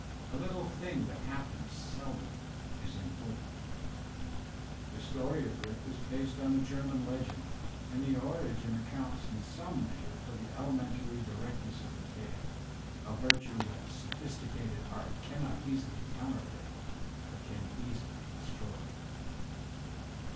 A little thing that happens seldom is important. Digitized by Google 86 THE SPIRIT OF AMERICAN LITERATURE The story of Rip is based on a German legend, and the origin accounts in some measure for the elementary direct ness of the tale, a virtue that sophisticated art cannot easily counterfeit, but can easily destroy.